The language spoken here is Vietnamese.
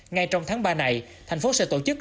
ngay trong tháng ba này thành phố sẽ tổ chức